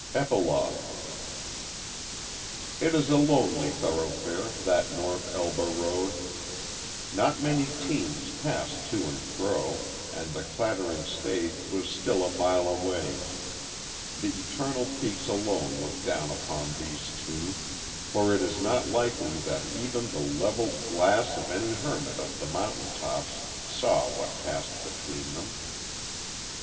EPILOGUE It is a lonely thoroughfare, that North Elba road. Not many teams pass to and fro, and the clattering stage was still a mile away. The eternal peaks alone looked down upon these two, for it is not likely that even the leveled glass of any hermit of the mountain tops saw what passed between them.